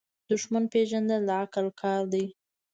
دښمن پیژندل د عقل کار دی.